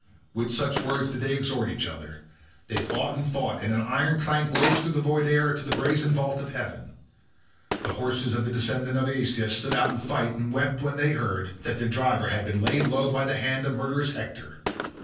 With such words did they exhort each other. They fought and fought, and an iron clank rose through the void air to the brazen vault of heaven. The horses of the descendant of Aeacus stood out of the fight and wept when they heard that their driver had been laid low by the hand of murderous Hector.